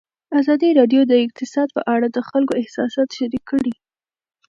ازادي راډیو د اقتصاد په اړه د خلکو احساسات شریک کړي.